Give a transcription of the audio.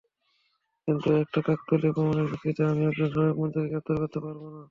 কিন্তু একটা কাকতালীয় প্রমাণের ভিত্তিতে আমি একজন সাবেক মন্ত্রীকে গ্রেফতার করতে পারবো না।